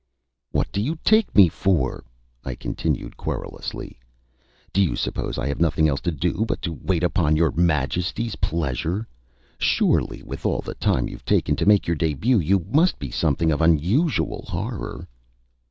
"What do you take me for?" I continued, querulously. "Do you suppose I have nothing else to do but to wait upon your majesty's pleasure? Surely, with all the time you've taken to make your début, you must be something of unusual horror."